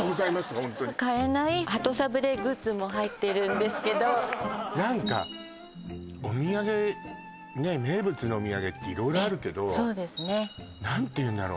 ホントにも入ってるんですけど何かお土産名物のお土産って色々あるけどそうですね何ていうんだろう